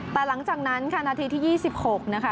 แต่หลังจากนั้นค่ะนาทีที่๒๖นะคะ